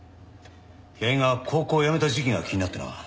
矢木が高校を辞めた時期が気になってな。